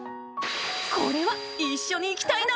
［これは「一緒に行きたいな」